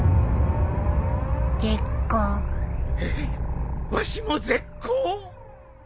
えっわしも絶交？